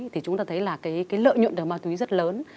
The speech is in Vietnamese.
thì chúng ta thấy là cái lợi nhuận từ ma túy rất lớn